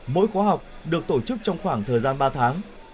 mỗi khóa học được tổ chức trong khoảng thời gian ba tháng